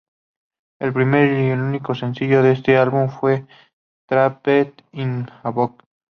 El primer y único sencillo de este álbum fue "Trapped in a Box".